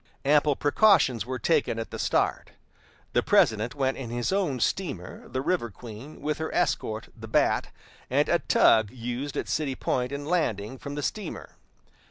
Ample precautions were taken at the start. The President went in his own steamer, the River Queen, with her escort, the Bat, and a tug used at City Point in landing from the steamer.